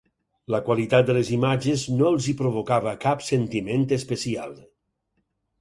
La qualitat de les imatges no els hi provocava cap sentiment especial.